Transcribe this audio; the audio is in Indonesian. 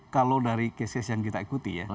kalau dari keses yang kita ikuti ya